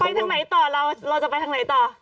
ไปทางไหนต่อเราเราจะไปทางไหนต่อ